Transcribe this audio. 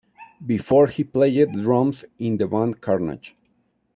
Before he played drums in the band Carnage.